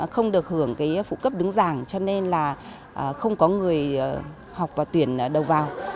không được hưởng cái phụ cấp đứng giảng cho nên là không có người học và tuyển đầu vào